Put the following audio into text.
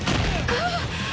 あっ！